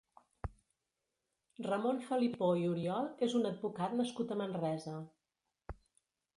Ramon Felipó i Oriol és un advocat nascut a Manresa.